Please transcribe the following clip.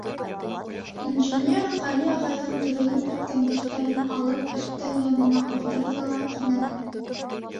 Инженер, Гәли ағайҙың төрөлөп бөткән дәфтәрен алып, өҫтәл янына ултырҙы ла, кинәнеп: